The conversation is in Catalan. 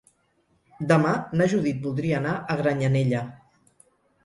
Demà na Judit voldria anar a Granyanella.